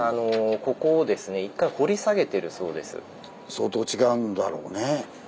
相当違うんだろうね。